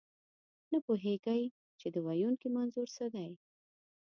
نه پوهېږئ، چې د ویونکي منظور څه دی.